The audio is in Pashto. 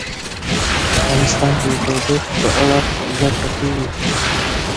په افغانستان کې د تودوخه په اړه زده کړه کېږي.